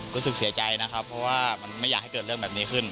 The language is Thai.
รู้สึกเสียใจนะครับเพราะว่ามันไม่อยากให้เกิดเรื่องแบบนี้ขึ้น